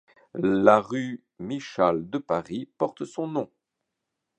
La rue Michal de Paris porte son nom.